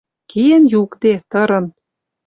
Киэн юкде, тырын.